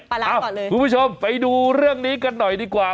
ปลาร้าก่อนเลยคุณผู้ชมไปดูเรื่องนี้กันหน่อยดีกว่า